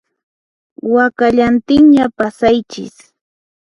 Wakallantinña pasaychis